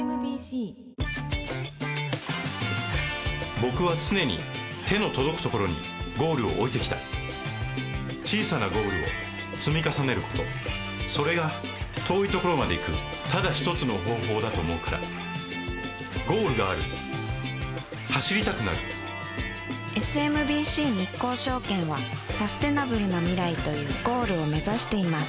僕は常に手の届くところにゴールを置いてきた小さなゴールを積み重ねることそれが遠いところまで行くただ一つの方法だと思うからゴールがある走りたくなるＳＭＢＣ日興証券はサステナブルな未来というゴールを目指しています